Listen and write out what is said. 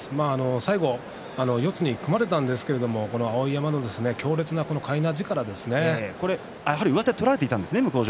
最後、四つに組まれたんですけれど向正面側、上手を取られていたんですね。